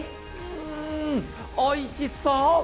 うんおいしそう！